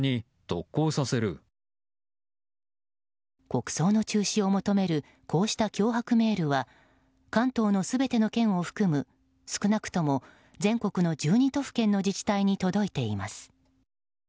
国葬の中止を求めるこうした脅迫メールは関東の全ての県を含む少なくとも全国の１２都府県の自治体に届いています。